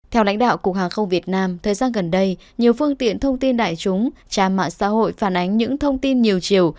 theo lãnh đạo cục hàng không việt nam thời gian gần đây nhiều phương tiện thông tin đại chúng trang mạng xã hội phản ánh những thông tin nhiều chiều